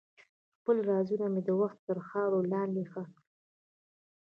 خپل رازونه مې د وخت تر خاورو لاندې ښخ کړل.